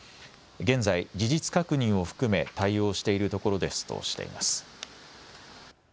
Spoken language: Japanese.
現在、事実確認を含め対応しているところですとしています。